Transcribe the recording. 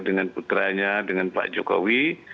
dengan putranya dengan pak jokowi